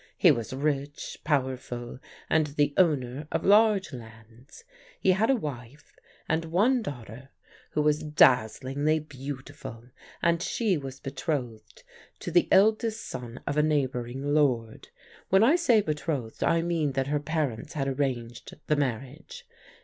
He was rich, powerful, and the owner of large lands. He had a wife, and one daughter, who was dazzlingly beautiful, and she was betrothed to the eldest son of a neighbouring lord. When I say betrothed, I mean that her parents had arranged the marriage.